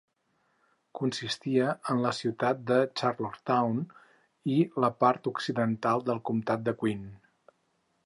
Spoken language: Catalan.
Consistia en la ciutat de Charlottetown i la part occidental del comtat de Queen.